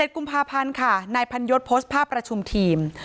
กุมภาพันธ์ค่ะนายพันยศโพสต์ภาพประชุมทีม